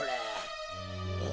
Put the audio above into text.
え？